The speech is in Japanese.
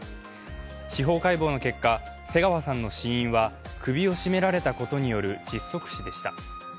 司法解剖の結果、瀬川さんの死因は首を絞められたことによる窒息死でした。